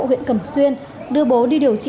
huyện cẩm xuyên đưa bố đi điều trị